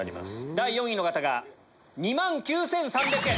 第４位の方が２万９３００円。